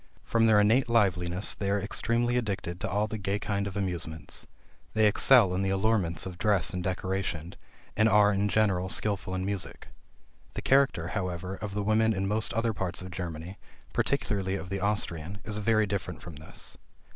From their innate liveliness, they are extremely addicted to all the gay kind of amusements. They excel in the allurements of dress and decoration, and are in general skilful in music. The character, however, of the women in most other parts of Germany, particularly of the Austrian, is very different from this.